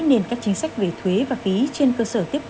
nên các chính sách về thuế và phí trên cơ sở tiếp